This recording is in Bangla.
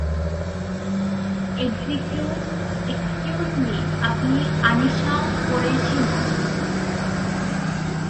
এক্সকিউজ-মি আপনি আনিশা কোরেশি, না?